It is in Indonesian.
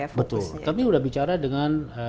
fokusnya betul kami udah bicara dengan